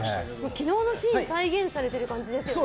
昨日のシーンを再現されている感じですよね。